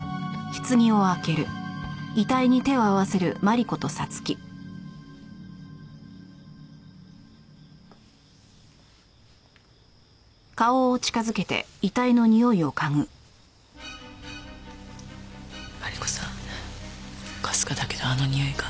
微かだけどあのにおいが。